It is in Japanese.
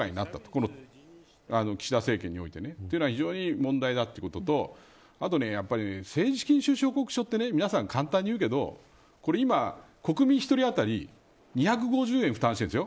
この岸田政権においてね。というのが非常に問題だということとあと、やっぱり政治資金収支報告書と簡単にだけど今、国民１人当たり２５０円負担してるんです。